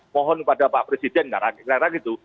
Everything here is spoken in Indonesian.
mohon kepada pak presiden ngarang ngarang gitu